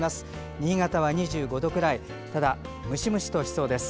新潟は２５度くらいでムシムシとしそうです。